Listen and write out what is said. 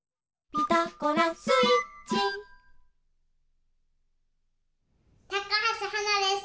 「ピタゴラスイッチ」たかはしはなです。